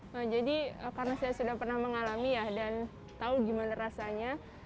nah jadi karena saya sudah pernah mengalami ya dan tahu gimana rasanya